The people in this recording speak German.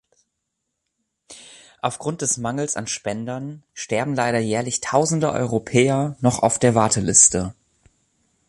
Aufgrund des Mangels an Spendern sterben leider jährlich Tausende Europäer noch auf der Warteliste.